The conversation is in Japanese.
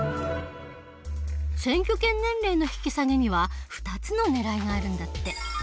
選挙権年齢の引き下げには２つのねらいがあるんだって。